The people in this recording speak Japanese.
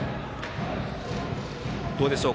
どうでしょう